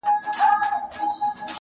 بې منزله مسافر یم، پر کاروان غزل لیکمه!!